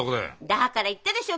だから言ったでしょ？